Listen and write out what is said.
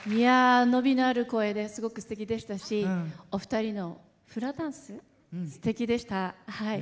伸びのある声ですごくすてきでしたしお二人のフラダンスすてきでした。